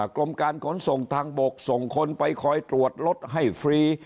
กรมการขนส่งทางบกส่งคนไปคอยตรวจรถให้ฟรี